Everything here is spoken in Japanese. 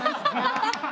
ハハハハハ！